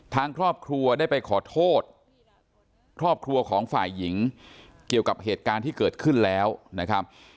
ทางครอบครัวได้ไปขอโทษครอบครัวของฝ่ายหญิงเกี่ยวกับเหตุการณ์ที่เกิดขึ้นแล้วนะครับ